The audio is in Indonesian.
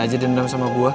masih aja dendam sama gue